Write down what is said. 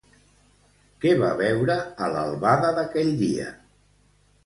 Què va veure a l'albada d'aquell dia?